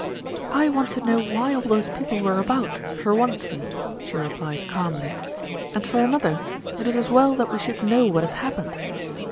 "I want to know why all those people were about, for one thing," she replied calmly, "and for another it is as well that we should know what has happened.